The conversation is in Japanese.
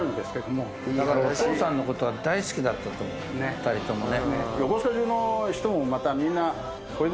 ２人ともね。